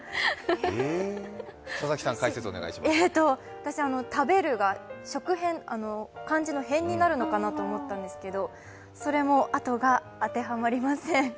私、食べるが漢字のへんになるのかなと思ったんですけど、それも、あとが当てはまりません。